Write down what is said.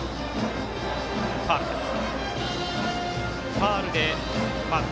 ファウルです。